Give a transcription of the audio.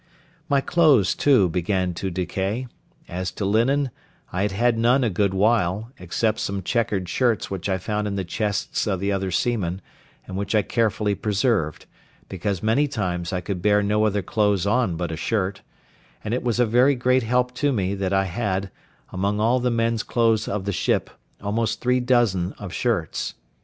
My clothes, too, began to decay; as to linen, I had had none a good while, except some chequered shirts which I found in the chests of the other seamen, and which I carefully preserved; because many times I could bear no other clothes on but a shirt; and it was a very great help to me that I had, among all the men's clothes of the ship, almost three dozen of shirts.